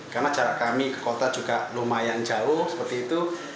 karena jarak kami ke kota juga lumayan jauh seperti itu